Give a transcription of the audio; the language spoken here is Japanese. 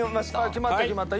決まった決まった。